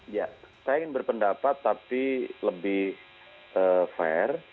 ya saya ingin berpendapat tapi lebih fair